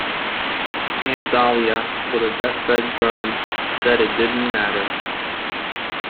Aunt Dahlia, with a deathbed groan, said it didn't matter.